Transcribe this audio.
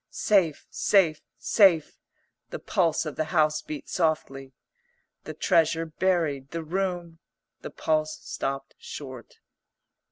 "Safe, safe, safe," the pulse of the house beat softly. "The treasure buried; the room ..." the pulse stopped short.